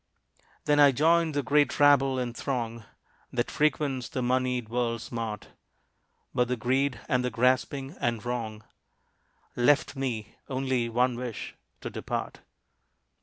Then I joined the great rabble and throng That frequents the moneyed world's mart; But the greed, and the grasping and wrong, Left me only one wish to depart.